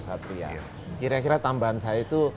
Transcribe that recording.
satria kira kira tambahan saya itu